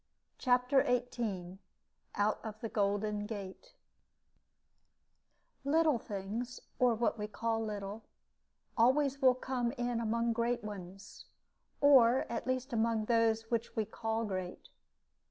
CHAPTER XVIII OUT OF THE GOLDEN GATE Little things, or what we call little, always will come in among great ones, or at least among those which we call great.